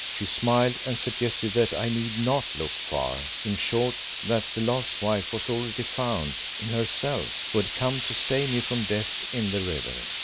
She smiled and suggested that I need not look far; in short, that the lost wife was already found in herself, who had come to save me from death in the river.